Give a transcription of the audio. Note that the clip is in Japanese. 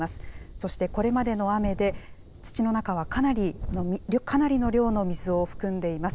そして、これまでの雨で、土の中はかなりの量の水を含んでいます。